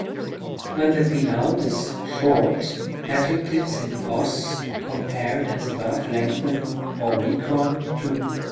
When the penult is short, adjectives in os compared as above lengthen o tow.